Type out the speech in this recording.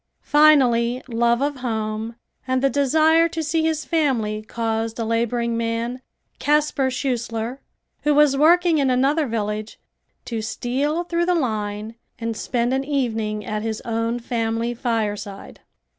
Finally, love of home and the desire to see his family caused a laboring man, Casper Schushler, who was working in another village, to steal through the line and spend an evening at his own family fireside.